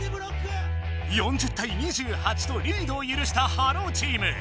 ４０対２８とリードをゆるしたハローチーム。